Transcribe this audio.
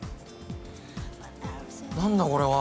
何だ⁉これは！